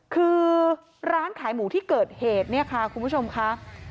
คือร้านขายหมูที่เกิดเหตุเนี่ยค่ะคุณผู้ชมค่ะ